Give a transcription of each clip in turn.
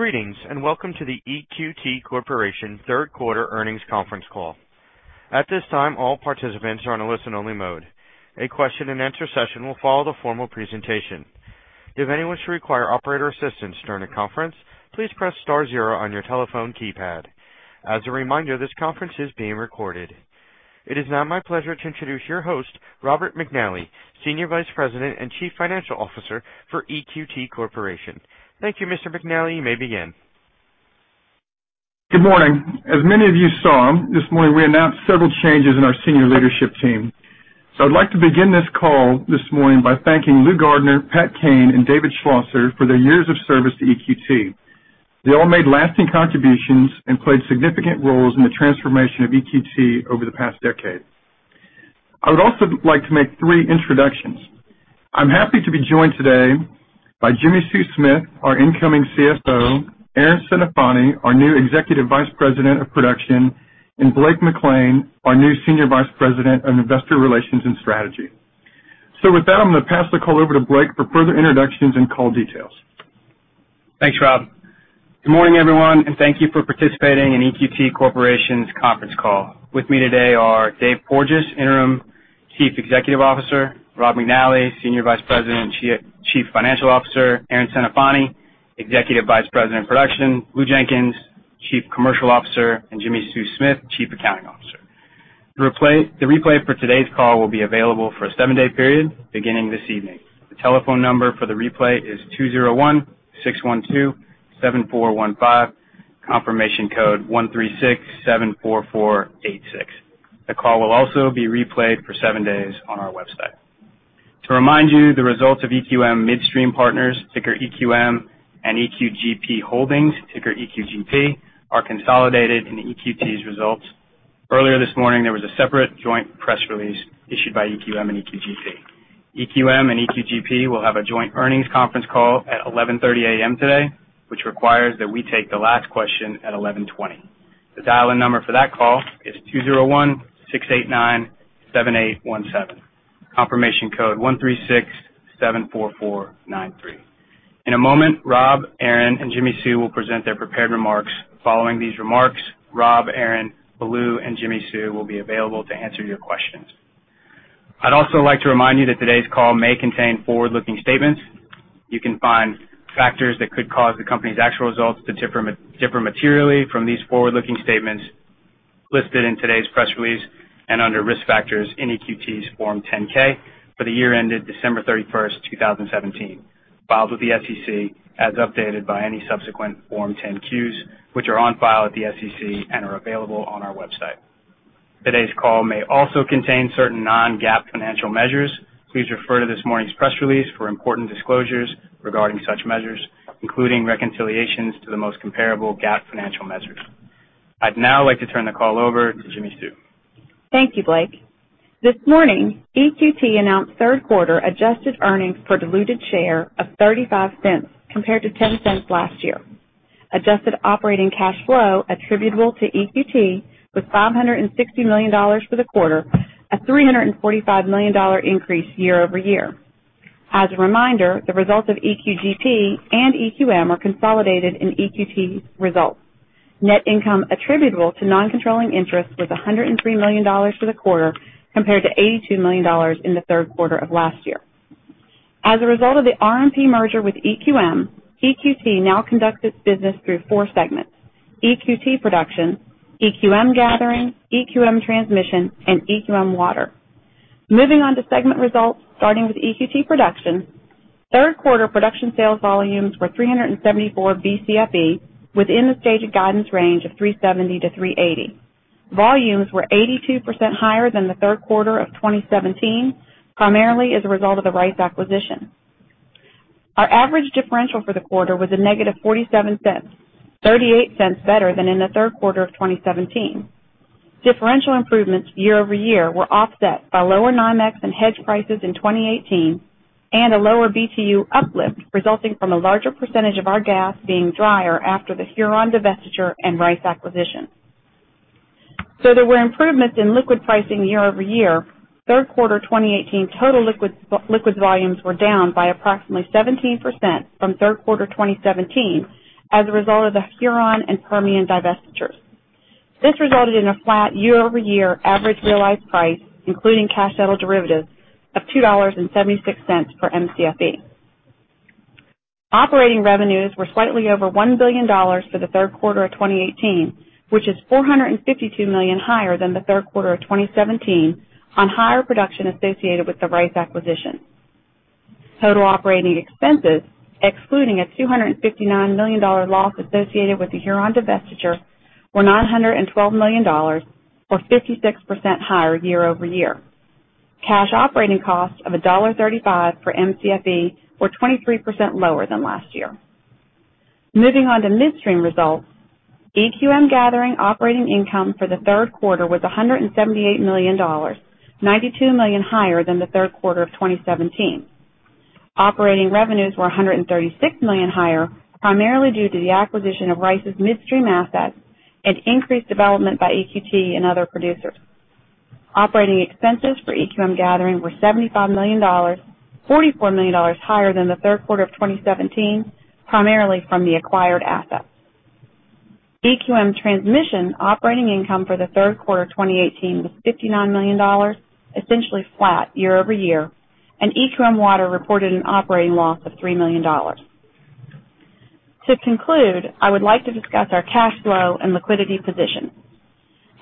Greetings. Welcome to the EQT Corporation third quarter earnings conference call. At this time, all participants are on a listen-only mode. A question and answer session will follow the formal presentation. If anyone should require operator assistance during the conference, please press star zero on your telephone keypad. As a reminder, this conference is being recorded. It is now my pleasure to introduce your host, Robert McNally, Senior Vice President and Chief Financial Officer for EQT Corporation. Thank you, Mr. McNally. You may begin. Good morning. As many of you saw, this morning we announced several changes in our senior leadership team. I'd like to begin this call this morning by thanking Lewis Gardner, Patrick Kane, and David Schlosser for their years of service to EQT. They all made lasting contributions and played significant roles in the transformation of EQT over the past decade. I would also like to make three introductions. I'm happy to be joined today by Jimmi Sue Smith, our incoming CFO, Erin Centofanti, our new Executive Vice President of Production, and Blake McLean, our new Senior Vice President of Investor Relations and Strategy. With that, I'm going to pass the call over to Blake for further introductions and call details. Thanks, Rob. Good morning, everyone. Thank you for participating in EQT Corporation's conference call. With me today are Dave Porges, Interim Chief Executive Officer, Rob McNally, Senior Vice President and Chief Financial Officer, Erin Centofanti, Executive Vice President of Production, Lou Jenkins, Chief Commercial Officer, and Jimmi Sue Smith, Chief Accounting Officer. The replay for today's call will be available for a seven-day period beginning this evening. The telephone number for the replay is 201-612-7415, confirmation code 13674486. The call will also be replayed for seven days on our website. To remind you, the results of EQM Midstream Partners, ticker EQM, and EQGP Holdings, ticker EQGP, are consolidated in EQT's results. Earlier this morning, there was a separate joint press release issued by EQM and EQGP. EQM and EQGP will have a joint earnings conference call at 11:30 A.M. today, which requires that we take the last question at 11:20. The dial-in number for that call is 201-689-7817, confirmation code 13674493. In a moment, Rob, Erin, and Jimmi Sue will present their prepared remarks. Following these remarks, Rob, Erin, Lou, and Jimmi Sue will be available to answer your questions. I'd also like to remind you that today's call may contain forward-looking statements. You can find factors that could cause the company's actual results to differ materially from these forward-looking statements listed in today's press release and under Risk Factors in EQT's Form 10-K for the year ended December 31st, 2017, filed with the SEC as updated by any subsequent Form 10-Qs, which are on file at the SEC and are available on our website. Today's call may also contain certain non-GAAP financial measures. Please refer to this morning's press release for important disclosures regarding such measures, including reconciliations to the most comparable GAAP financial measures. I'd now like to turn the call over to Jimmi Sue. Thank you, Blake. This morning, EQT announced third quarter adjusted earnings per diluted share of $0.35 compared to $0.10 last year. Adjusted operating cash flow attributable to EQT was $560 million for the quarter, a $345 million increase year-over-year. As a reminder, the results of EQGP and EQM are consolidated in EQT's results. Net income attributable to non-controlling interests was $103 million for the quarter compared to $82 million in the third quarter of last year. As a result of the RMP merger with EQM, EQT now conducts its business through four segments: EQT Production, EQM Gathering, EQM Transmission, and EQM Water. Moving on to segment results, starting with EQT Production, third quarter production sales volumes were 374 BCFE within the stated guidance range of 370-380. Volumes were 82% higher than the third quarter of 2017, primarily as a result of the Rice acquisition. Our average differential for the quarter was a negative $0.47, $0.38 better than in the third quarter of 2017. Differential improvements year-over-year were offset by lower NYMEX and hedge prices in 2018 and a lower BTU uplift resulting from a larger percentage of our gas being drier after the Huron divestiture and Rice acquisition. There were improvements in liquid pricing year-over-year. Third quarter 2018 total liquids volumes were down by approximately 17% from third quarter 2017 as a result of the Huron and Permian divestitures. This resulted in a flat year-over-year average realized price, including cash settle derivatives, of $2.76 per Mcfe. Operating revenues were slightly over $1 billion for the third quarter of 2018, which is $452 million higher than the third quarter of 2017 on higher production associated with the Rice acquisition. Total operating expenses, excluding a $259 million loss associated with the Huron divestiture, were $912 million, or 56% higher year-over-year. Cash operating costs of $1.35 per Mcfe were 23% lower than last year. Moving on to midstream results, EQM Gathering operating income for the third quarter was $178 million, $92 million higher than the third quarter of 2017. Operating revenues were $136 million higher, primarily due to the acquisition of Rice's midstream assets and increased development by EQT and other producers. Operating expenses for EQM Gathering were $75 million, $44 million higher than the third quarter of 2017, primarily from the acquired assets. EQM Transmission operating income for the third quarter 2018 was $59 million, essentially flat year-over-year. EQM Water reported an operating loss of $3 million. To conclude, I would like to discuss our cash flow and liquidity position.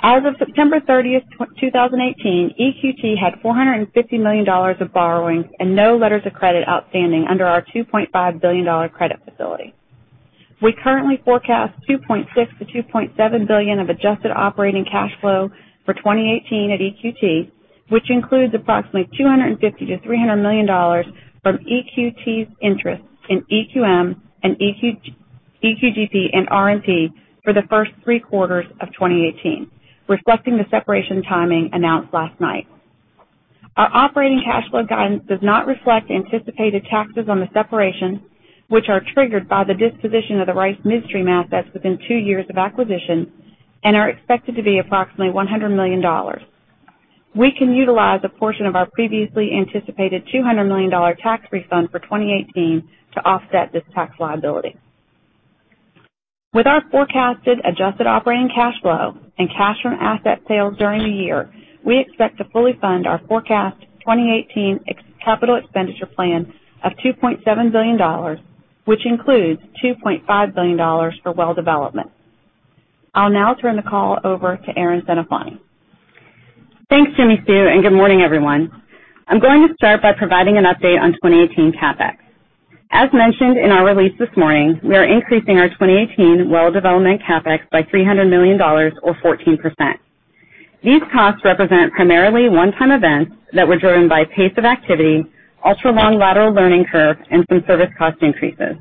As of September 30, 2018, EQT had $450 million of borrowings and no letters of credit outstanding under our $2.5 billion credit facility. We currently forecast $2.6 billion-$2.7 billion of adjusted operating cash flow for 2018 at EQT, which includes approximately $250 million-$300 million from EQT's interest in EQM, EQGP, and RMP for the first three quarters of 2018, reflecting the separation timing announced last night. Our operating cash flow guidance does not reflect anticipated taxes on the separation, which are triggered by the disposition of the Rice Midstream assets within two years of acquisition and are expected to be approximately $100 million. We can utilize a portion of our previously anticipated $200 million tax refund for 2018 to offset this tax liability. With our forecasted adjusted operating cash flow and cash from asset sales during the year, we expect to fully fund our forecast 2018 capital expenditure plan of $2.7 billion, which includes $2.5 billion for well development. I'll now turn the call over to Erin Centofanti. Thanks, Jimmi Sue, good morning, everyone. I'm going to start by providing an update on 2018 CapEx. As mentioned in our release this morning, we are increasing our 2018 well development CapEx by $300 million or 14%. These costs represent primarily one-time events that were driven by pace of activity, ultra-long lateral learning curve, and some service cost increases.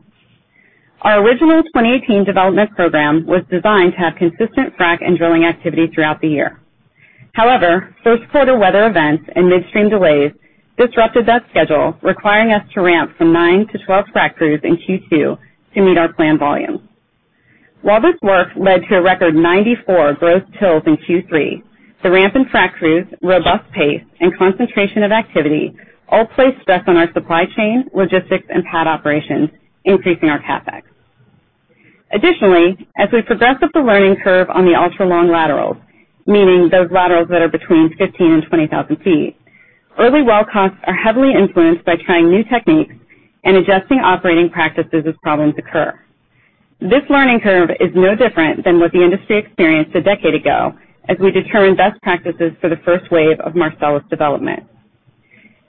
Our original 2018 development program was designed to have consistent frac and drilling activity throughout the year. However, first quarter weather events and midstream delays disrupted that schedule, requiring us to ramp from nine to 12 frac crews in Q2 to meet our planned volumes. While this work led to a record 94 growth TILs in Q3, the ramp in frac crews, robust pace, and concentration of activity all placed stress on our supply chain, logistics, and pad operations, increasing our CapEx. Additionally, as we progress up the learning curve on the ultra-long laterals, meaning those laterals that are between 15,000-20,000 feet, early well costs are heavily influenced by trying new techniques and adjusting operating practices as problems occur. This learning curve is no different than what the industry experienced a decade ago, as we determine best practices for the first wave of Marcellus development.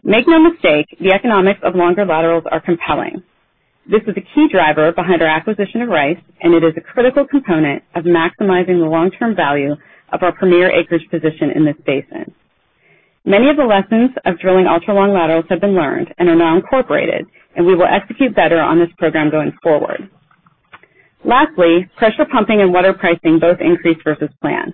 Make no mistake, the economics of longer laterals are compelling. This is a key driver behind our acquisition of Rice, it is a critical component of maximizing the long-term value of our premier acreage position in this basin. Many of the lessons of drilling ultra-long laterals have been learned and are now incorporated, we will execute better on this program going forward. Lastly, pressure pumping and water pricing both increased versus plan.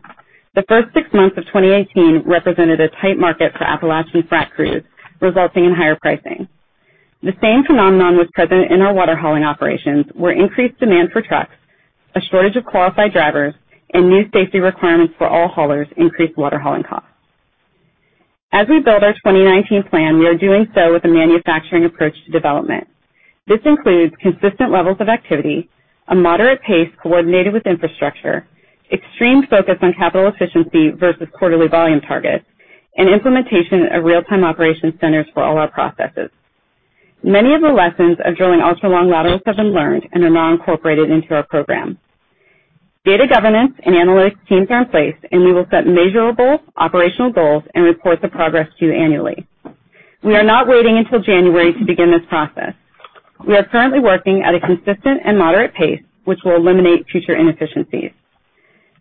The first six months of 2018 represented a tight market for Appalachian frac crews, resulting in higher pricing. The same phenomenon was present in our water hauling operations, where increased demand for trucks, a shortage of qualified drivers, and new safety requirements for all haulers increased water hauling costs. As we build our 2019 plan, we are doing so with a manufacturing approach to development. This includes consistent levels of activity, a moderate pace coordinated with infrastructure, extreme focus on capital efficiency versus quarterly volume targets, and implementation of real-time operation centers for all our processes. Many of the lessons of drilling ultra-long laterals have been learned and are now incorporated into our program. Data governance and analytics teams are in place, and we will set measurable operational goals and report the progress to you annually. We are not waiting until January to begin this process. We are currently working at a consistent and moderate pace, which will eliminate future inefficiencies.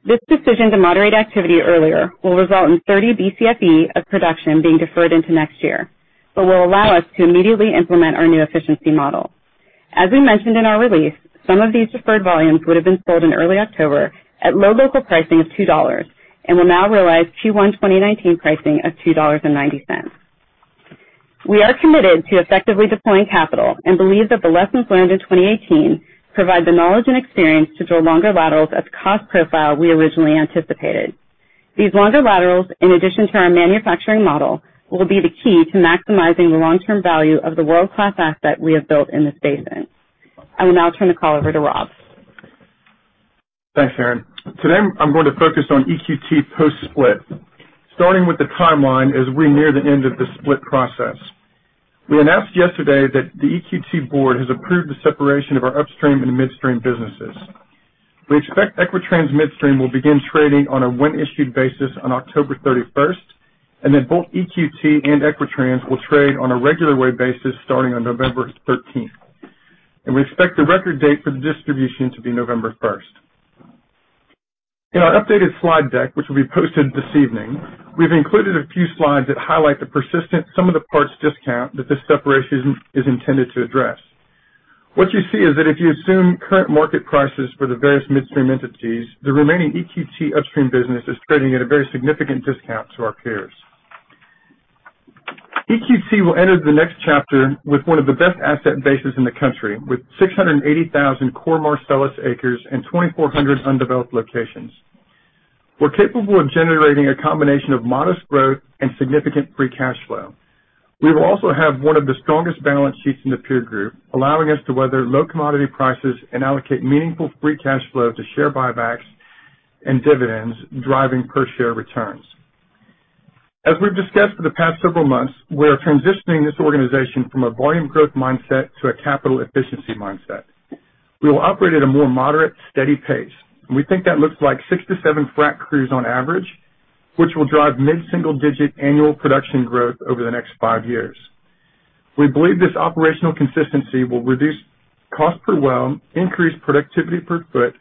This decision to moderate activity earlier will result in 30 BCFE of production being deferred into next year but will allow us to immediately implement our new efficiency model. As we mentioned in our release, some of these deferred volumes would have been sold in early October at low local pricing of $2 and will now realize Q1 2019 pricing of $2.90. We are committed to effectively deploying capital and believe that the lessons learned in 2018 provide the knowledge and experience to drill longer laterals at the cost profile we originally anticipated. These longer laterals, in addition to our manufacturing model, will be the key to maximizing the long-term value of the world-class asset we have built in this basin. I will now turn the call over to Rob. Thanks, Erin. Today, I'm going to focus on EQT post-split, starting with the timeline as we near the end of the split process. We announced yesterday that the EQT board has approved the separation of our upstream and midstream businesses. We expect Equitrans Midstream will begin trading on a when-issued basis on October 31st, then both EQT and Equitrans will trade on a regular way basis starting on November 13th. We expect the record date for the distribution to be November 1st. In our updated slide deck, which will be posted this evening, we've included a few slides that highlight the persistent sum of the parts discount that this separation is intended to address. What you see is that if you assume current market prices for the various midstream entities, the remaining EQT upstream business is trading at a very significant discount to our peers. EQT will enter the next chapter with one of the best asset bases in the country, with 680,000 core Marcellus acres and 2,400 undeveloped locations. We're capable of generating a combination of modest growth and significant free cash flow. We will also have one of the strongest balance sheets in the peer group, allowing us to weather low commodity prices and allocate meaningful free cash flow to share buybacks and dividends, driving per share returns. As we've discussed for the past several months, we are transitioning this organization from a volume growth mindset to a capital efficiency mindset. We will operate at a more moderate, steady pace, we think that looks like six to seven frac crews on average, which will drive mid-single-digit annual production growth over the next five years. We believe this operational consistency will reduce cost per well, increase productivity per foot,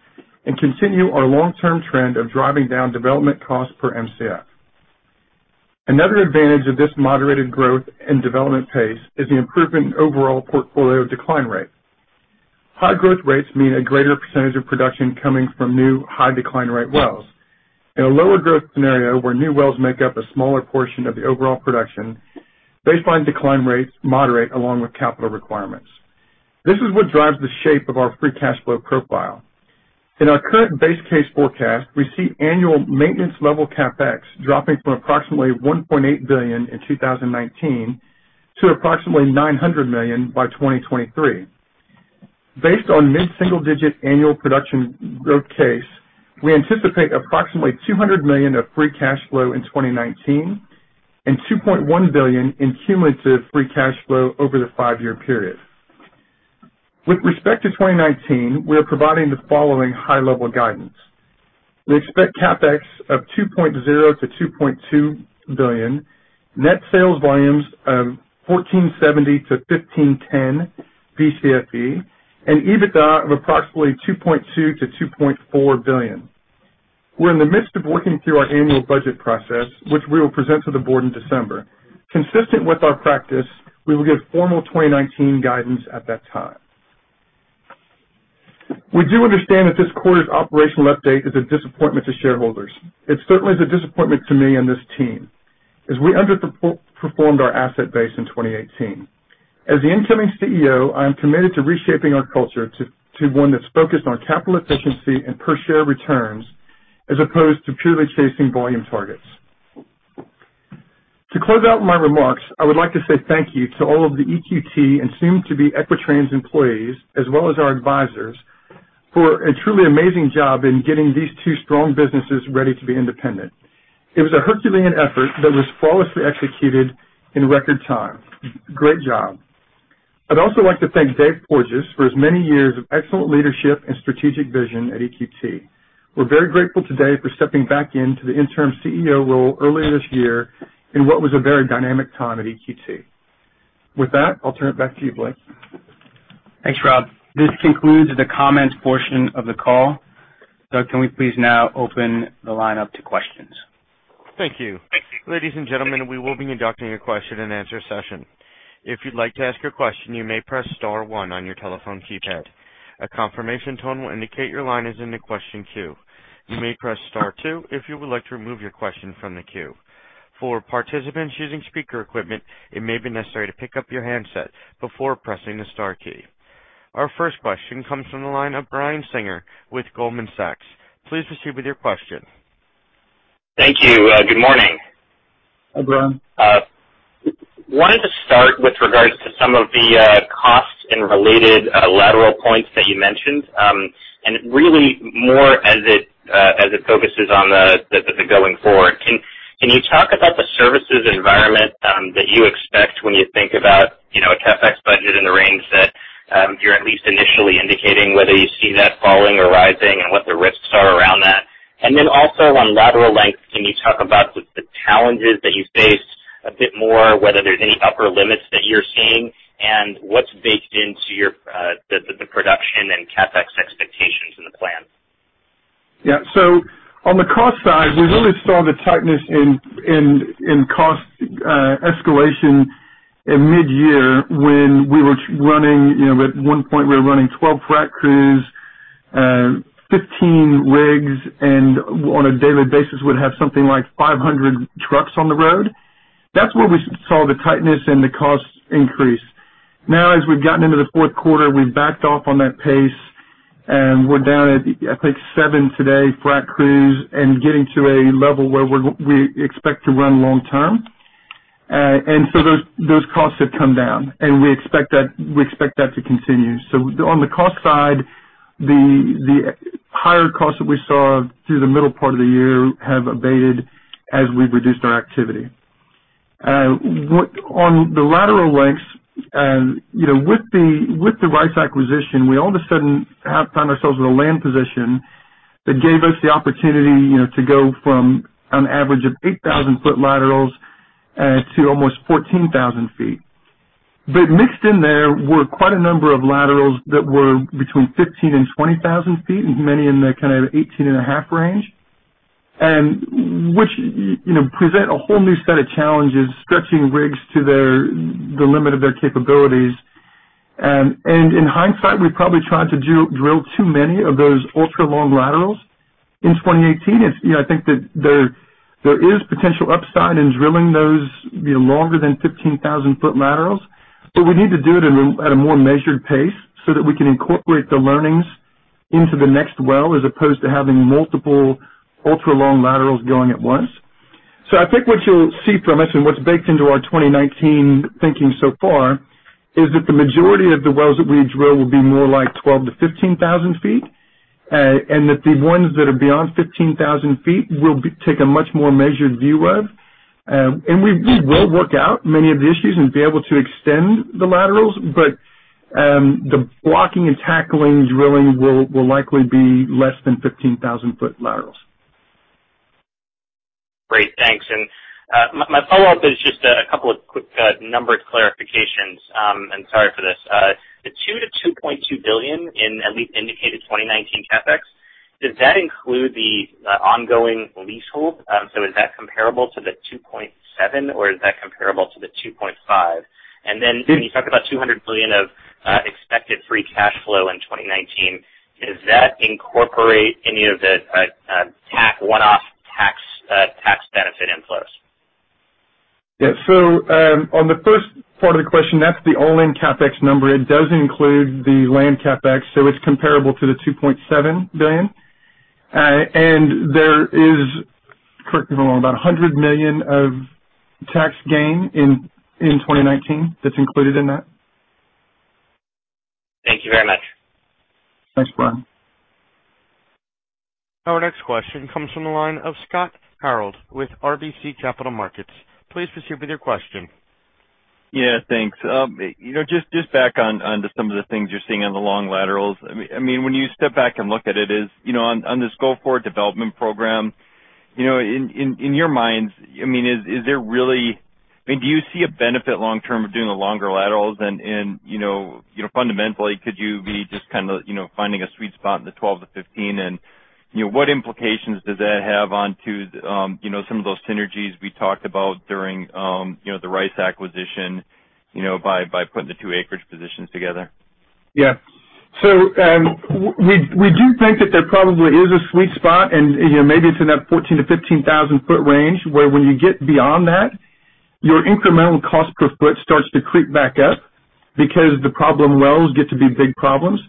and continue our long-term trend of driving down development cost per Mcf. Another advantage of this moderated growth and development pace is the improvement in overall portfolio decline rate. High growth rates mean a greater percentage of production coming from new high decline rate wells. In a lower growth scenario where new wells make up a smaller portion of the overall production, baseline decline rates moderate along with capital requirements. This is what drives the shape of our free cash flow profile. In our current base case forecast, we see annual maintenance level CapEx dropping from approximately $1.8 billion in 2019 to approximately $900 million by 2023. Based on mid-single-digit annual production growth case, we anticipate approximately $200 million of free cash flow in 2019 and $2.1 billion in cumulative free cash flow over the five-year period. With respect to 2019, we are providing the following high-level guidance. We expect CapEx of $2.0 billion-$2.2 billion, net sales volumes of 1,470 to 1,510 BCFE, and EBITDA of approximately $2.2 billion-$2.4 billion. We're in the midst of working through our annual budget process, which we will present to the board in December. Consistent with our practice, we will give formal 2019 guidance at that time. We do understand that this quarter's operational update is a disappointment to shareholders. It certainly is a disappointment to me and this team, as we underperformed our asset base in 2018. As the incoming CEO, I am committed to reshaping our culture to one that's focused on capital efficiency and per share returns, as opposed to purely chasing volume targets. To close out my remarks, I would like to say thank you to all of the EQT and soon to be Equitrans employees, as well as our advisors, for a truly amazing job in getting these two strong businesses ready to be independent. It was a Herculean effort that was flawlessly executed in record time. Great job. I'd also like to thank David Porges for his many years of excellent leadership and strategic vision at EQT. We're very grateful today for stepping back into the interim CEO role earlier this year in what was a very dynamic time at EQT. With that, I'll turn it back to you, Blake. Thanks, Rob. This concludes the comments portion of the call. Doug, can we please now open the line up to questions? Thank you. Thank you. Ladies and gentlemen, we will be conducting a question and answer session. If you'd like to ask a question, you may press star one on your telephone keypad. A confirmation tone will indicate your line is in the question queue. You may press star two if you would like to remove your question from the queue. For participants using speaker equipment, it may be necessary to pick up your handset before pressing the star key. Our first question comes from the line of Brian Singer with Goldman Sachs. Please proceed with your question. Thank you. Good morning. Hi, Brian. Wanted to start with regards to some of the costs and related lateral points that you mentioned, really more as it focuses on the going forward. Can you talk about the services environment that you expect when you think about a CapEx budget in the range that you're at least initially indicating, whether you see that falling or rising and what the risks are around that? Also on lateral length, can you talk about the challenges that you faced a bit more, whether there's any upper limits that you're seeing, and what's baked into the production and CapEx expectations in the plan? Yeah. On the cost side, we really saw the tightness in cost escalation in mid-year when we were running, at one point, we were running 12 frac crews, 15 rigs, and on a daily basis, would have something like 500 trucks on the road. That's where we saw the tightness and the cost increase. Now, as we've gotten into the fourth quarter, we've backed off on that pace, and we're down at, I think, seven today frac crews and getting to a level where we expect to run long term. Those costs have come down, and we expect that to continue. On the cost side, the higher costs that we saw through the middle part of the year have abated as we've reduced our activity. On the lateral lengths, with the Rice acquisition, we all of a sudden have found ourselves in a land position that gave us the opportunity to go from an average of 8,000-foot laterals to almost 14,000 feet. Mixed in there were quite a number of laterals that were between 15,000 and 20,000 feet, many in the kind of 18.5 range, which present a whole new set of challenges, stretching rigs to the limit of their capabilities. In hindsight, we probably tried to drill too many of those ultra long laterals in 2018. I think that there is potential upside in drilling those longer than 15,000-foot laterals, we need to do it at a more measured pace so that we can incorporate the learnings into the next well, as opposed to having multiple ultra long laterals going at once. I think what you'll see from us and what's baked into our 2019 thinking so far is that the majority of the wells that we drill will be more like 12,000-15,000 feet, and that the ones that are beyond 15,000 feet will take a much more measured view of. We will work out many of the issues and be able to extend the laterals, but the blocking and tackling drilling will likely be less than 15,000-foot laterals. Great, thanks. My follow-up is just a couple of quick numbered clarifications, sorry for this. The $2 billion-$2.2 billion in at least indicated 2019 CapEx, does that include the ongoing leasehold? Is that comparable to the $2.7 billion or is that comparable to the $2.5 billion? When you talk about $200 million of expected free cash flow in 2019, does that incorporate any of the one-off tax benefit inflows? Yeah. On the first part of the question, that's the all-in CapEx number. It does include the land CapEx, so it's comparable to the $2.7 billion. There is, correct me if I'm wrong, about $100 million of tax gain in 2019 that's included in that. Thank you very much. Thanks, Brian. Our next question comes from the line of Scott Hanold with RBC Capital Markets. Please proceed with your question. Yeah, thanks. Just back on to some of the things you're seeing on the long laterals. When you step back and look at it, on this go-forward development program, in your minds, do you see a benefit long term of doing the longer laterals, fundamentally, could you be just finding a sweet spot in the 12-15, and what implications does that have on to some of those synergies we talked about during the Rice acquisition, by putting the two acreage positions together? Yeah. We do think that there probably is a sweet spot, and maybe it's in that 14,000-15,000-foot range, where when you get beyond that, your incremental cost per foot starts to creep back up because the problem wells get to be big problems.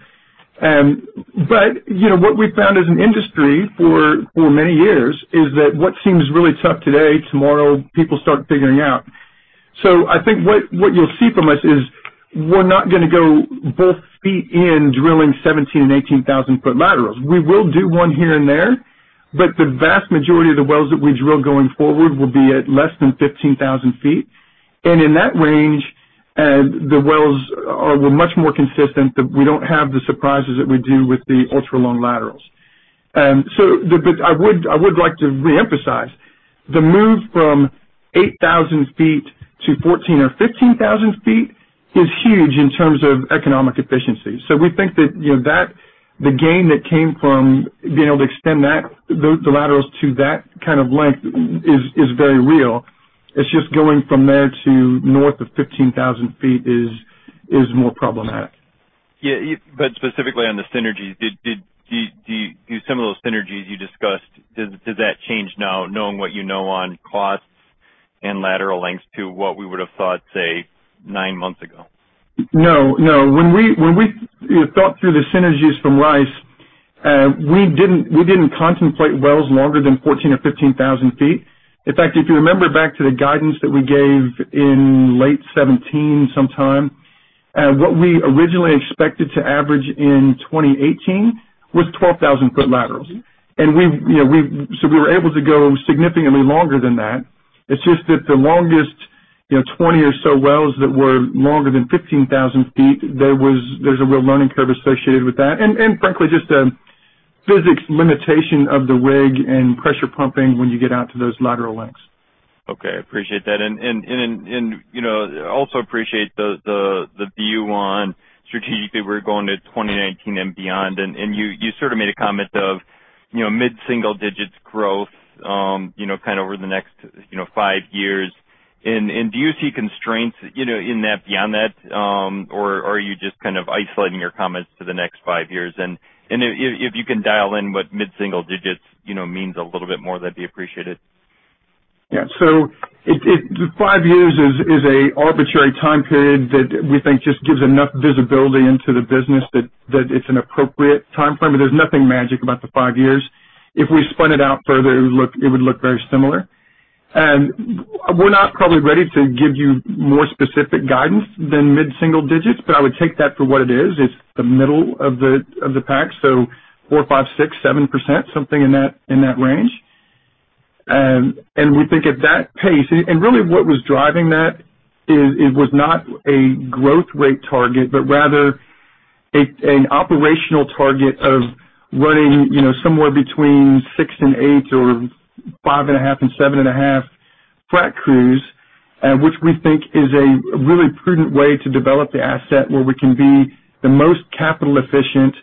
What we've found as an industry for many years is that what seems really tough today, tomorrow, people start figuring out. I think what you'll see from us is we're not going to go both feet in drilling 17,000 and 18,000-foot laterals. We will do one here and there, but the vast majority of the wells that we drill going forward will be at less than 15,000 feet. In that range, the wells are much more consistent, that we don't have the surprises that we do with the ultra long laterals. I would like to reemphasize, the move from 8,000 feet to 14 or 15,000 feet is huge in terms of economic efficiency. We think that the gain that came from being able to extend the laterals to that kind of length is very real. It's just going from there to north of 15,000 feet is more problematic. Specifically on the synergies, some of those synergies you discussed, does that change now knowing what you know on costs and lateral lengths to what we would have thought, say, nine months ago? No. When we thought through the synergies from Rice, we didn't contemplate wells longer than 14 or 15,000 feet. In fact, if you remember back to the guidance that we gave in late 2017 sometime, what we originally expected to average in 2018 was 12,000-foot laterals. We were able to go significantly longer than that. It's just that the longest 20 or so wells that were longer than 15,000 feet, there's a real learning curve associated with that. Frankly, just a physics limitation of the rig and pressure pumping when you get out to those lateral lengths. Okay, appreciate that. Also appreciate the view on strategically we're going to 2019 and beyond, you sort of made a comment of mid-single digits growth over the next five years. Do you see constraints beyond that, or are you just kind of isolating your comments to the next five years? If you can dial in what mid-single digits means a little bit more, that'd be appreciated. Yeah. Five years is an arbitrary time period that we think just gives enough visibility into the business that it's an appropriate timeframe, but there's nothing magic about the five years. If we spun it out further, it would look very similar. We're not probably ready to give you more specific guidance than mid-single digits, but I would take that for what it is. It's the middle of the pack, so 4%, 5%, 6%, 7%, something in that range. We think at that pace. Really what was driving that is it was not a growth rate target, but rather an operational target of running somewhere between six and eight or five and a half and seven and a half frac crews, which we think is a really prudent way to develop the asset where we can be the most capital efficient.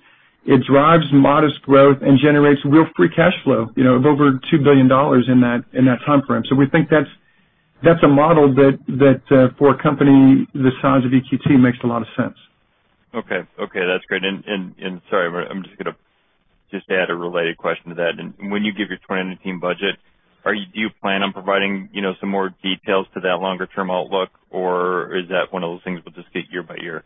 It drives modest growth and generates real free cash flow of over $2 billion in that timeframe. We think that's a model that for a company the size of EQT makes a lot of sense. Okay. That's great. Sorry, I'm just going to add a related question to that. When you give your 2019 budget, do you plan on providing some more details to that longer term outlook or is that one of those things we'll just get year by year?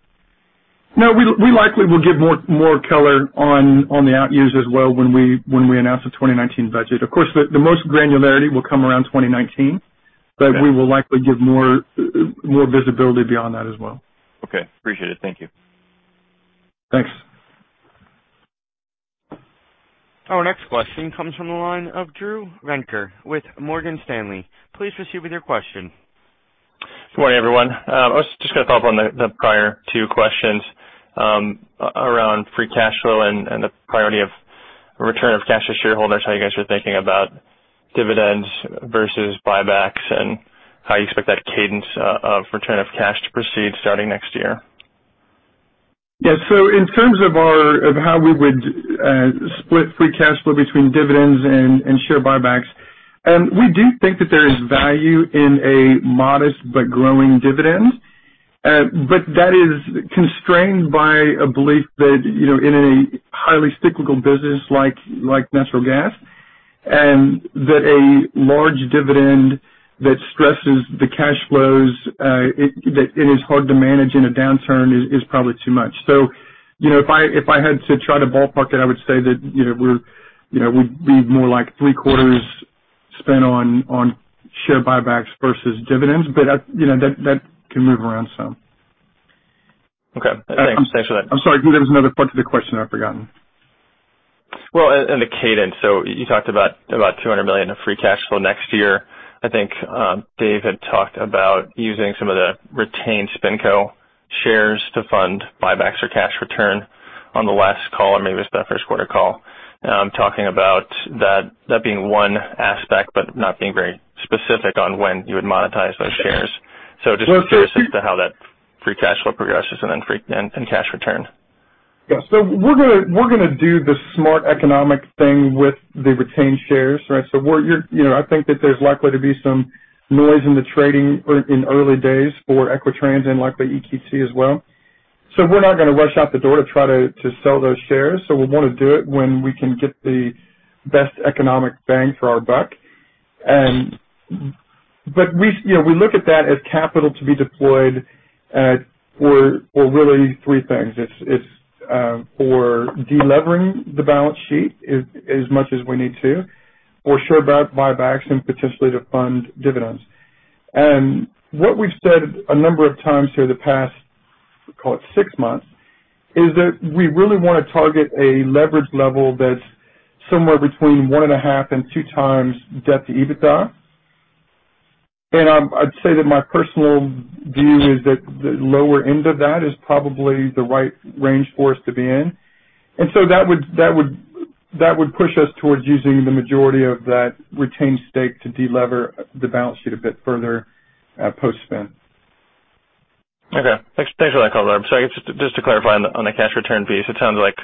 No, we likely will give more color on the out years as well when we announce the 2019 budget. Of course, the most granularity will come around 2019- Okay We will likely give more visibility beyond that as well. Okay. Appreciate it. Thank you. Thanks. Our next question comes from the line of Devin McDermott with Morgan Stanley. Please proceed with your question. Good morning, everyone. I was just going to follow up on the prior two questions around free cash flow and the priority of return of cash to shareholders, how you guys are thinking about dividends versus buybacks and how you expect that cadence of return of cash to proceed starting next year. Yeah. In terms of how we would split free cash flow between dividends and share buybacks, we do think that there is value in a modest but growing dividend. That is constrained by a belief that, in a highly cyclical business like natural gas, and that a large dividend that stresses the cash flows, that it is hard to manage in a downturn, is probably too much. If I had to try to ballpark it, I would say that we'd be more like three quarters spent on share buybacks versus dividends. That can move around some. Okay. Thanks for that. I'm sorry. I think there was another part to the question I've forgotten. The cadence. You talked about $200 million in free cash flow next year. I think Dave had talked about using some of the retained SpinCo shares to fund buybacks or cash return on the last call, or maybe it was the first quarter call. Talking about that being one aspect, but not being very specific on when you would monetize those shares. Well, I'm curious as to how that free cash flow progresses and then free and cash return. Yeah. We're going to do the smart economic thing with the retained shares, right? I think that there's likely to be some noise in the trading in early days for Equitrans and likely EQT as well. We're not going to rush out the door to try to sell those shares. We'll want to do it when we can get the best economic bang for our buck. We look at that as capital to be deployed for really three things. It's for de-levering the balance sheet as much as we need to, for share buybacks and potentially to fund dividends. What we've said a number of times here the past, call it 6 months, is that we really want to target a leverage level that's somewhere between 1.5 and 2 times debt to EBITDA. I'd say that my personal view is that the lower end of that is probably the right range for us to be in. That would push us towards using the majority of that retained stake to de-lever the balance sheet a bit further post spin. Okay. Thanks for that color. I guess, just to clarify on the cash return piece, it sounds like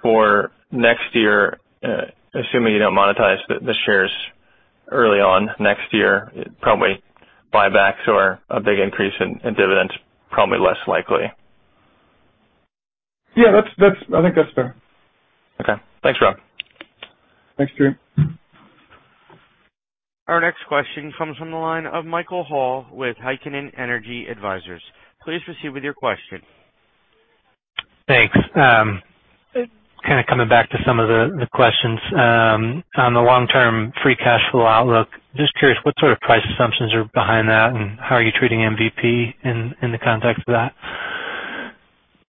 for next year, assuming you don't monetize the shares early on next year, probably buybacks or a big increase in dividends, probably less likely. Yeah. I think that's fair. Okay. Thanks, Rob. Thanks, Devin. Our next question comes from the line of Michael Hall with Heikkinen Energy Advisors. Please proceed with your question. Thanks. Kind of coming back to some of the questions, on the long-term free cash flow outlook, just curious what sort of price assumptions are behind that and how are you treating MVP in the context of that?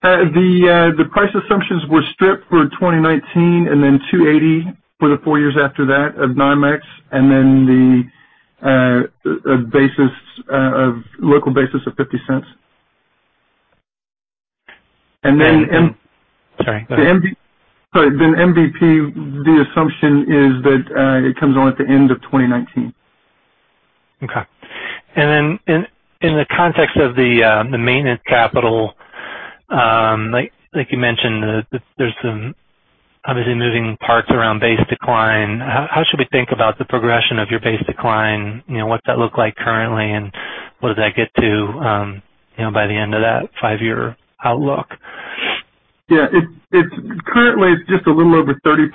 The price assumptions were stripped for 2019 and then 280 for the four years after that of NYMEX, and then the local basis of $0.50. Sorry, go ahead. Sorry. MVP, the assumption is that it comes on at the end of 2019. Okay. In the context of the maintenance capital, like you mentioned, there's some obviously moving parts around base decline. How should we think about the progression of your base decline? What's that look like currently and what does that get to by the end of that five-year outlook? Yeah. Currently, it's just a little over 30%,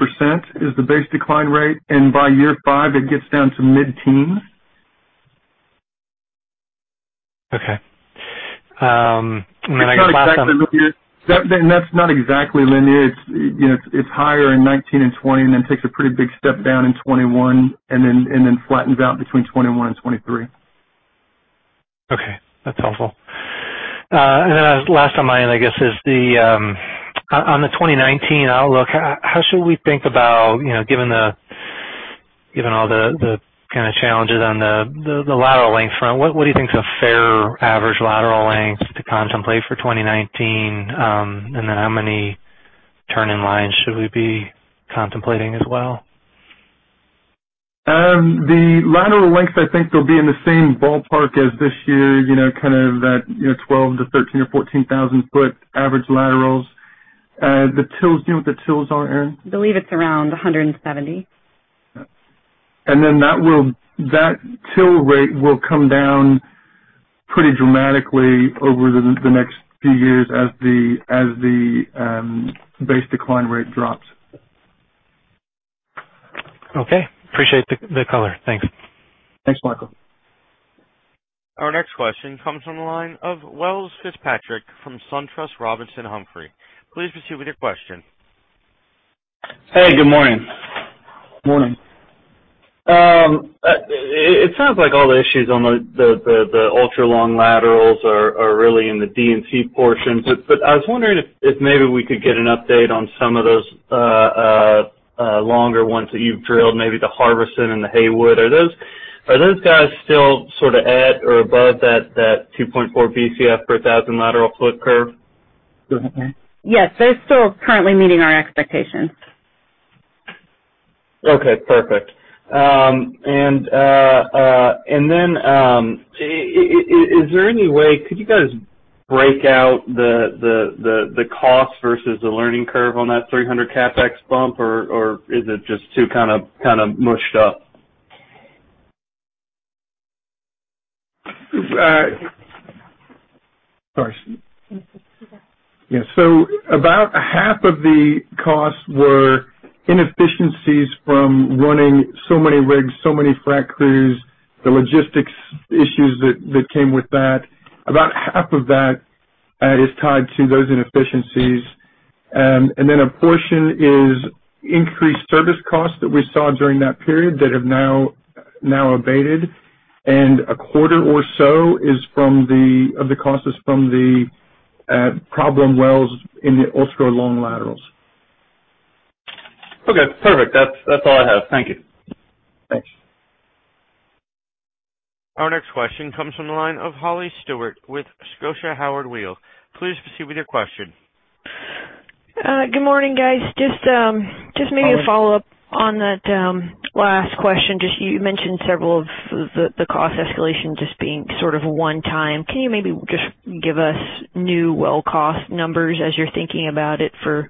is the base decline rate, by year five, it gets down to mid-teens. Okay. It's not exactly linear. That's not exactly linear. It's higher in 2019 and 2020, then takes a pretty big step down in 2021, then flattens out between 2021 and 2023. Okay. That's helpful. Last on my end, I guess is the, on the 2019 outlook, how should we think about, given all the kind of challenges on the lateral length front, what do you think is a fair average lateral length to contemplate for 2019? How many turning lines should we be contemplating as well? The lateral lengths, I think they'll be in the same ballpark as this year, kind of that 12 to 13 or 14,000 foot average laterals. The TILs. Do you know what the TILs are, Erin? I believe it's around 170. That TIL rate will come down pretty dramatically over the next few years as the base decline rate drops. Okay. Appreciate the color. Thanks. Thanks, Michael. Our next question comes from the line of Welles Fitzpatrick from SunTrust Robinson Humphrey. Please proceed with your question. Hey, good morning. Morning. It sounds like all the issues on the ultra long laterals are really in the D&C portions, but I was wondering if maybe we could get an update on some of those longer ones that you've drilled, maybe the Harrison and the Haywood. Are those guys still at or above that 2.4 Bcf per a thousand lateral foot curve? Yes, they're still currently meeting our expectations. Okay, perfect. Is there any way Could you guys break out the cost versus the learning curve on that $300 CapEx bump, or is it just too mushed up? Sorry. Can you take that? About half of the costs were inefficiencies from running so many rigs, so many frac crews, the logistics issues that came with that. About half of that is tied to those inefficiencies. Then a portion is increased service costs that we saw during that period that have now abated. A quarter or so of the cost is from the problem wells in the ultra long laterals. Okay, perfect. That's all I have. Thank you. Thanks. Our next question comes from the line of Holly Stewart with Scotiabank Howard Weil. Please proceed with your question. Good morning, guys. Holly. Maybe a follow-up on that last question. Just you mentioned several of the cost escalation just being sort of one-time. Can you maybe just give us new well cost numbers as you're thinking about it for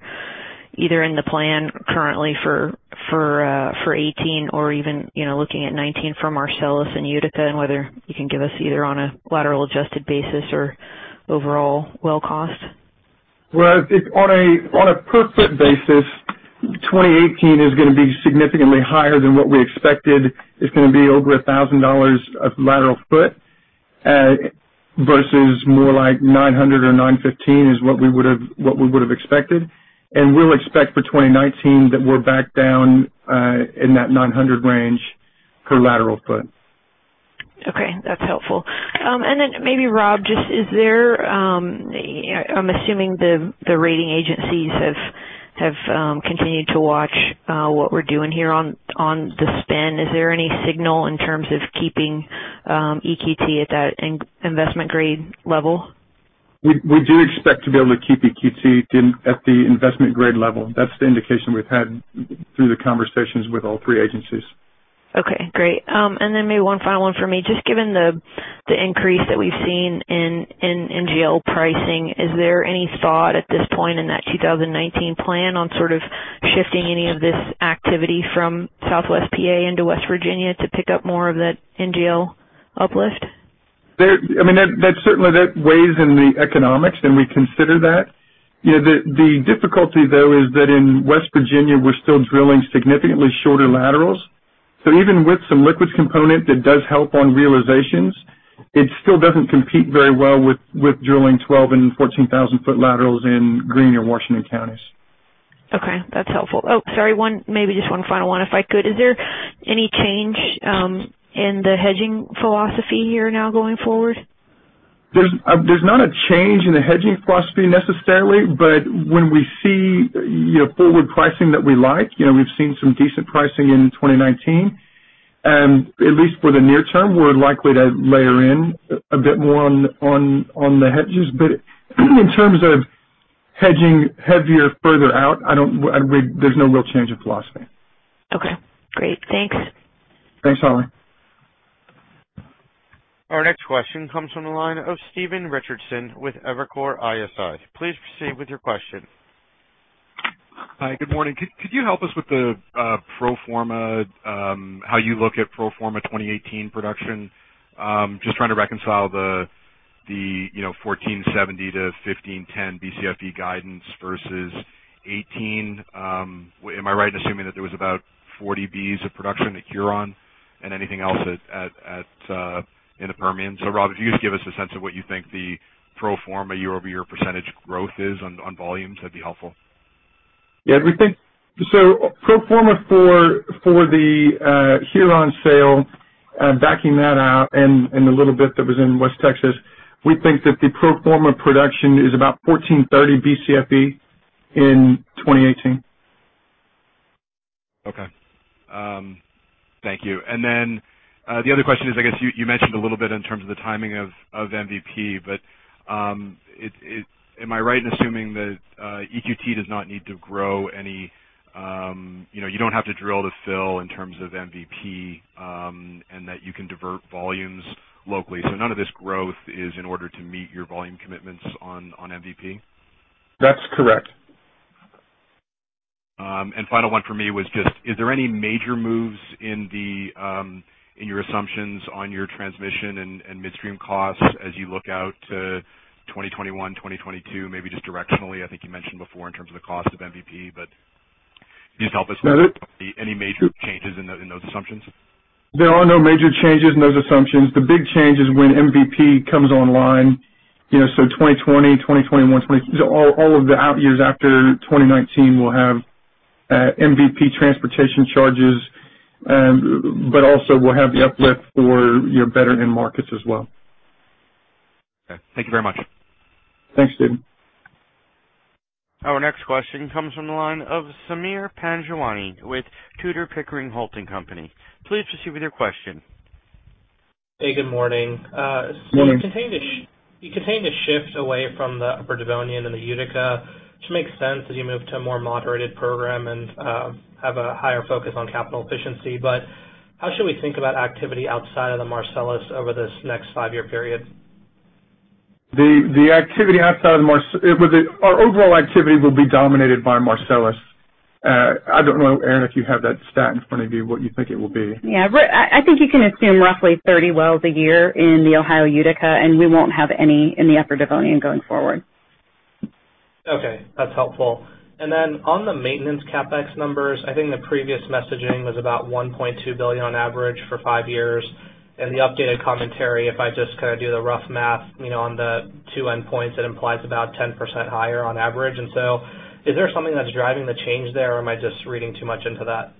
either in the plan currently for 2018 or even looking at 2019 for Marcellus and Utica, and whether you can give us either on a lateral adjusted basis or overall well cost? Well, on a per foot basis, 2018 is going to be significantly higher than what we expected. It's going to be over $1,000 a lateral foot, versus more like 900 or 915 is what we would've expected. We'll expect for 2019 that we're back down in that 900 range per lateral foot. Okay, that's helpful. Then maybe Rob, I'm assuming the rating agencies have continued to watch what we're doing here on the spend. Is there any signal in terms of keeping EQT at that investment grade level? We do expect to be able to keep EQT at the investment grade level. That's the indication we've had through the conversations with all three agencies. Okay, great. Maybe one final one for me. Just given the increase that we've seen in NGL pricing, is there any thought at this point in that 2019 plan on sort of shifting any of this activity from Southwest P.A. into West Virginia to pick up more of that NGL uplift? That certainly weighs in the economics, and we consider that. The difficulty, though, is that in West Virginia, we're still drilling significantly shorter laterals. Even with some liquids component that does help on realizations, it still doesn't compete very well with drilling 12 and 14 thousand foot laterals in Greene or Washington counties. Okay, that's helpful. Oh, sorry, maybe just one final one, if I could. Is there any change in the hedging philosophy here now going forward? There's not a change in the hedging philosophy necessarily, but when we see forward pricing that we like, we've seen some decent pricing in 2019. At least for the near term, we're likely to layer in a bit more on the hedges. In terms of hedging heavier further out, there's no real change in philosophy. Okay, great. Thanks. Thanks, Holly. Our next question comes from the line of Stephen Richardson with Evercore ISI. Please proceed with your question. Hi. Good morning. Could you help us with the pro forma, how you look at pro forma 2018 production? Trying to reconcile the 1,470 to 1,510 Bcfe guidance versus 2018. Am I right in assuming that there was about 40 Bs of production at Huron and anything else in the Permian? Rob, if you could just give us a sense of what you think the pro forma year-over-year percentage growth is on volumes, that would be helpful. Yeah. Pro forma for the Huron sale, backing that out, and the little bit that was in West Texas, we think that the pro forma production is about 1,430 Bcfe in 2018. Okay. Thank you. The other question is, I guess you mentioned a little bit in terms of the timing of MVP, but am I right in assuming that EQT does not need to drill to fill in terms of MVP, and that you can divert volumes locally. None of this growth is in order to meet your volume commitments on MVP? That is correct. Final one for me was just, is there any major moves in your assumptions on your transmission and midstream costs as you look out to 2021, 2022? Maybe just directionally, I think you mentioned before in terms of the cost of MVP, but can you just help us with any major changes in those assumptions? There are no major changes in those assumptions. The big change is when MVP comes online. 2020, 2021, all of the out years after 2019 will have MVP transportation charges, but also we'll have the uplift for your better markets as well. Okay. Thank you very much. Thanks, Stephen. Our next question comes from the line of Sameer Panjwani with Tudor, Pickering, Holt & Co. Please proceed with your question. Hey, good morning. Morning. You continue to shift away from the Upper Devonian and the Utica, which makes sense as you move to a more moderated program and have a higher focus on capital efficiency. How should we think about activity outside of the Marcellus over this next five-year period? Our overall activity will be dominated by Marcellus. I don't know, Erin, if you have that stat in front of you, what you think it will be. I think you can assume roughly 30 wells a year in the Ohio Utica, we won't have any in the Upper Devonian going forward. Okay. That's helpful. On the maintenance CapEx numbers, I think the previous messaging was about $1.2 billion on average for five years. The updated commentary, if I just do the rough math on the two endpoints, it implies about 10% higher on average. Is there something that's driving the change there or am I just reading too much into that?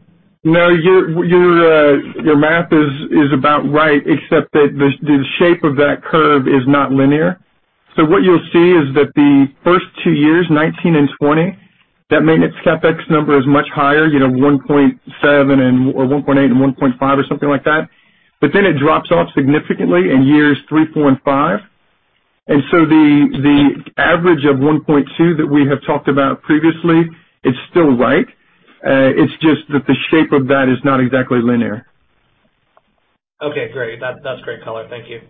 No, your math is about right, except that the shape of that curve is not linear. What you'll see is that the first two years, 2019 and 2020, that maintenance CapEx number is much higher, $1.7 billion or $1.8 billion and $1.5 billion or something like that. It drops off significantly in years three, four, and five. The average of $1.2 billion that we have talked about previously is still right. It's just that the shape of that is not exactly linear. Okay, great. That's great color. Thank you.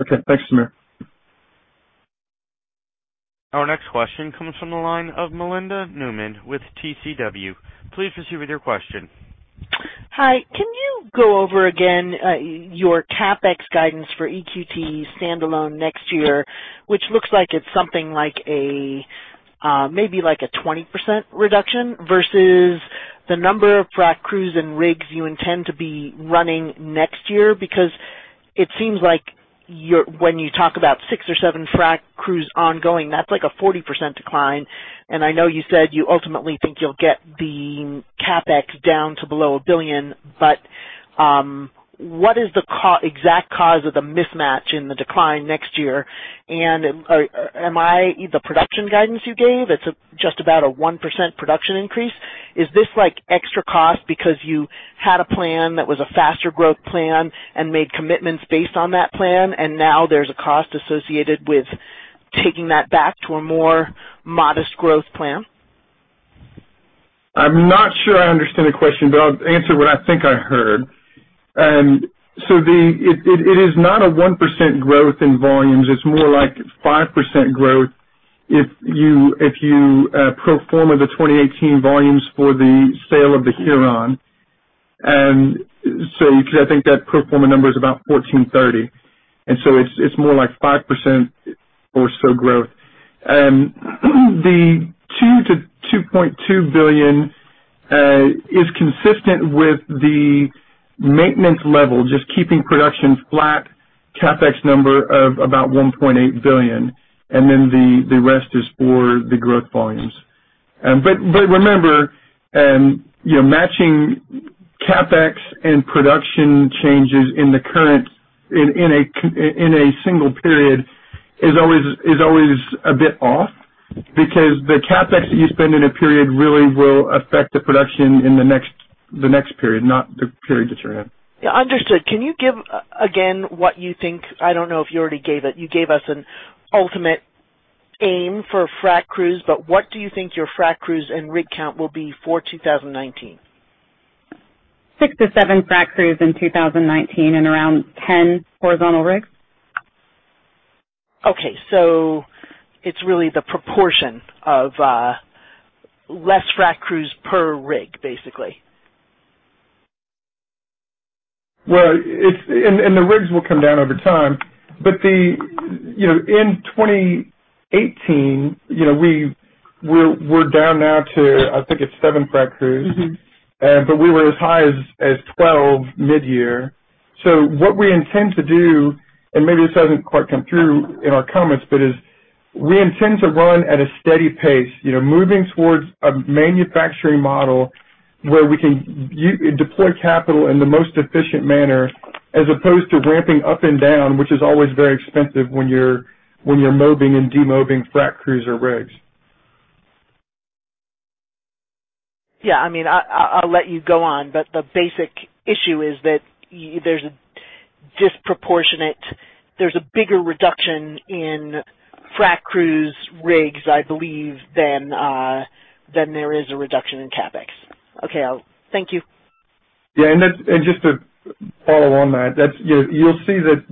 Okay. Thanks, Sameer. Our next question comes from the line of Melinda Newman with TCW. Please proceed with your question. Hi. Can you go over again your CapEx guidance for EQT standalone next year, which looks like it's something like a 20% reduction versus the number of frac crews and rigs you intend to be running next year? It seems like when you talk about six or seven frac crews ongoing, that's like a 40% decline. I know you said you ultimately think you'll get the CapEx down to below $1 billion, but what is the exact cause of the mismatch in the decline next year? The production guidance you gave, it's just about a 1% production increase. Is this extra cost because you had a plan that was a faster growth plan and made commitments based on that plan, and now there's a cost associated with taking that back to a more modest growth plan? I'm not sure I understand the question, but I'll answer what I think I heard. It is not a 1% growth in volumes. It's more like 5% growth if you pro forma the 2018 volumes for the sale of the Huron. I think that pro forma number is about 1,430, it's more like 5% or so growth. The $2 billion-$2.2 billion is consistent with the maintenance level, just keeping production flat, CapEx number of about $1.8 billion, and then the rest is for the growth volumes. Remember, matching CapEx and production changes in a single period is always a bit off because the CapEx that you spend in a period really will affect the production in the next period, not the period that you're in. Yeah. Understood. Can you give, again, what you think I don't know if you already gave it. You gave us an ultimate aim for frac crews, but what do you think your frac crews and rig count will be for 2019? Six to seven frac crews in 2019 and around 10 horizontal rigs. Okay. It's really the proportion of less frac crews per rig, basically. Well, the rigs will come down over time. In 2018, we're down now to, I think it's seven frac crews. We were as high as 12 mid-year. What we intend to do, and maybe this hasn't quite come through in our comments, is we intend to run at a steady pace, moving towards a manufacturing model where we can deploy capital in the most efficient manner as opposed to ramping up and down, which is always very expensive when you're mobbing and demobbing frac crews or rigs. Yeah, I'll let you go on, the basic issue is that there's a bigger reduction in frac crews, rigs, I believe, than there is a reduction in CapEx. Okay. Thank you. Yeah, just to follow on that, you'll see that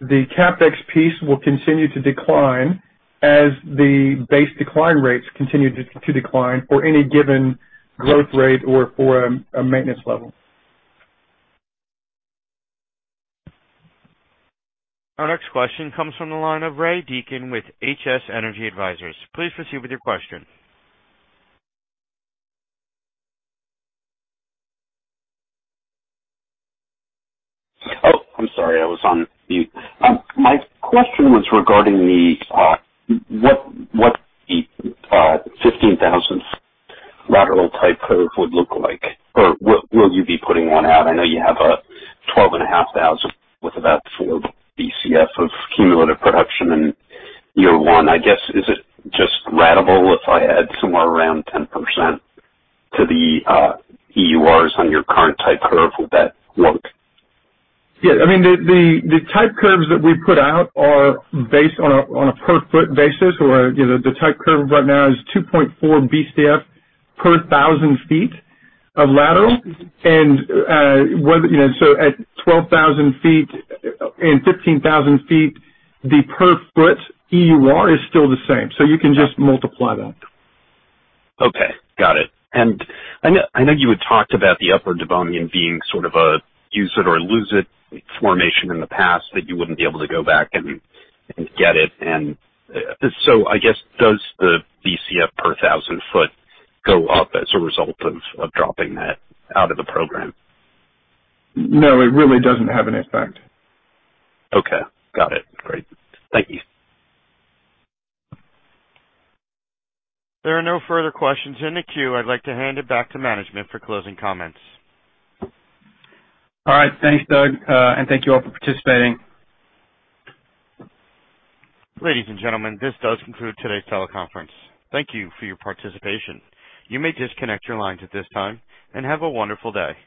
the CapEx piece will continue to decline as the base decline rates continue to decline for any given growth rate or for a maintenance level. Our next question comes from the line of Ray Deacon with H&S Energy Advisors. Please proceed with your question. Oh, I'm sorry, I was on mute. My question was regarding what the 15,000 lateral type curve would look like, or will you be putting one out? I know you have a 12,500 with about 4 Bcf of cumulative production in year one. I guess, is it just ratable if I add somewhere around 10% to the EURs on your current type curve? Would that work? Yeah. The type curves that we put out are based on a per foot basis or the type curve right now is 2.4 Bcf per 1,000 feet of lateral. At 12,000 feet and 15,000 feet, the per foot EUR is still the same. You can just multiply that. Okay. Got it. I know you had talked about the Upper Devonian being sort of a use it or lose it formation in the past, that you wouldn't be able to go back and get it. I guess, does the Bcf per 1,000 foot go up as a result of dropping that out of the program? No, it really doesn't have an effect. Okay. Got it. Great. Thank you. There are no further questions in the queue. I'd like to hand it back to management for closing comments. All right. Thanks, Doug, and thank you all for participating. Ladies and gentlemen, this does conclude today's teleconference. Thank you for your participation. You may disconnect your lines at this time, and have a wonderful day.